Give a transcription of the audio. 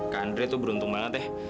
kak andre itu beruntung banget ya